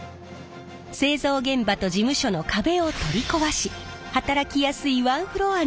製造現場と事務所の壁を取り壊し働きやすいワンフロアに改造。